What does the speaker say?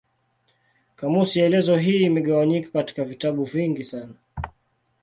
Kamusi elezo hii imegawanyika katika vitabu vingi sana.